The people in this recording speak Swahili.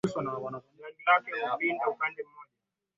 katika kuhakikisha kwamba wana karibia vinara wa ligi hiyo